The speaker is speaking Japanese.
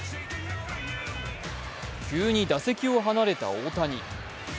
急に打席を離れた大谷。